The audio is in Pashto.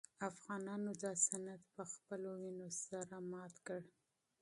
افغانانو دا سند په خپلو وینو سره مات کړ.